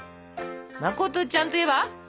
「まことちゃん」といえば？